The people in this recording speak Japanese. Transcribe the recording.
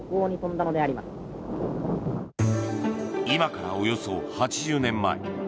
今から、およそ８０年前。